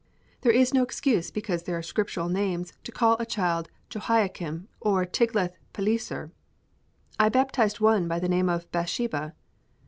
It is no excuse because they are Scriptural names to call a child Jehoiakim, or Tiglath Pileser. I baptised one by the name of Bathsheba.